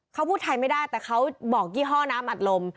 เขาพูดไทยไม่ได้แต่เขาบอกยี่ห้อน้ำอัดลม